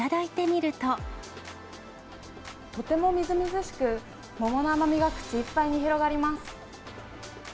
とてもみずみずしく、桃の甘みが口いっぱいに広がります。